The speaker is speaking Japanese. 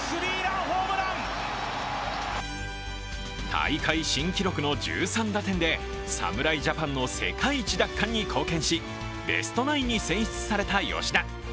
大会新記録の１３打点で侍ジャパンの世界一奪還に貢献しベストナインに選出された吉田。